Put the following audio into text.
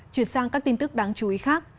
chuyển sang các tin tức đáng chú ý khác